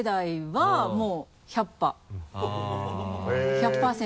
１００％。